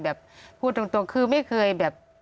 แบบพูดตรงตรงคือไม่เคยแบบ